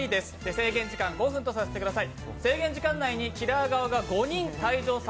制限時間５分とさせてください。